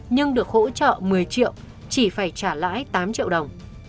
nhưng được hỗ trợ một mươi triệu chỉ phải trả lãi tám triệu đồng